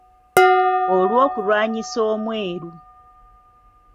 Olw’okulwanyisa omweru.